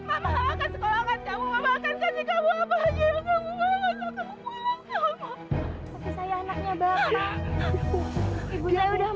mama akan sekolahkan kamu mama akan kasih kamu apa saja yang kamu bohong